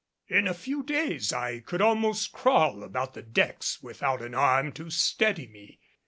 In a few days I could almost crawl about the decks without an arm to steady me.